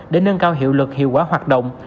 để nâng cao hiệu lực hiệu quả hoạt động